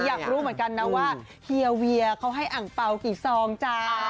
อยากรู้เหมือนกันนะว่าเฮียเวียเขาให้อังเปล่ากี่ซองจ้า